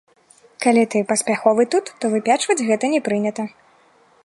Калі ты паспяховы тут, то выпячваць гэта не прынята.